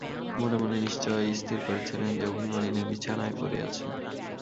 মনে মনে নিশ্চয় স্থির করেছিলেন যে, অভিমানিনী বিছানায় পড়ে আছেন।